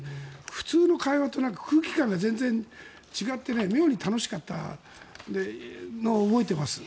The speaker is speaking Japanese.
普通の会話とは全然空気感が違って妙に楽しかったのを覚えています。